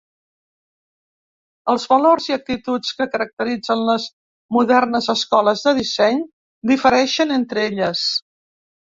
Els valors i actituds que caracteritzen les modernes escoles de disseny difereixen entre elles.